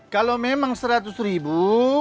kalau memang seratus ribu